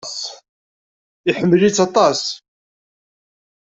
Iḥemmel-itt aṭas.